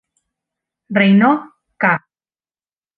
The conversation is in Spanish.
Reinó ca.